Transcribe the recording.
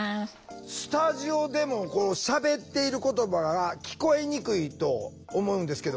スタジオでもしゃべっている言葉が聞こえにくいと思うんですけど。